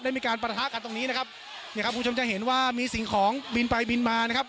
มีการประทะกันตรงนี้นะครับเนี่ยครับคุณผู้ชมจะเห็นว่ามีสิ่งของบินไปบินมานะครับ